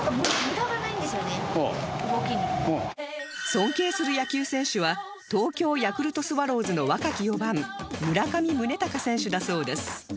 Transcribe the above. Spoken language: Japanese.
尊敬する野球選手は東京ヤクルトスワローズの若き４番村上宗隆選手だそうです